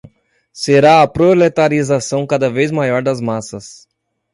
será a proletarização cada vez maior das massas